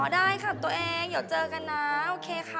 ได้ค่ะตัวเองเดี๋ยวเจอกันนะโอเคค่ะ